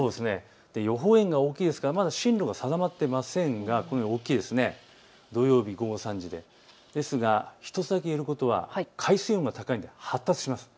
予報円大きいですから進路が定まっていませんが１つだけ言えることは海水温が高いので発達します。